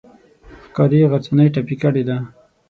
ښکاري غرڅنۍ ټپي کړې ده.